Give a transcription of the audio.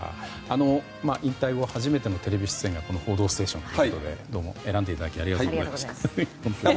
引退後初めてのテレビ出演がこの「報道ステーション」ということで選んでいただきありがとうございます。